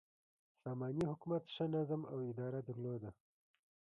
ساماني حکومت ښه نظم او اداره درلوده.